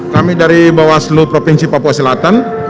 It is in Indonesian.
kami dari bawaslu provinsi papua selatan